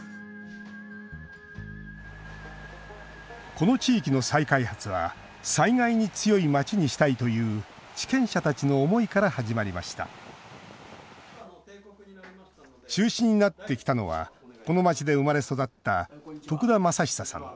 この地域の再開発は災害に強い街にしたいという地権者たちの思いから始まりました中心になってきたのはこの街で生まれ育った徳田昌久さん。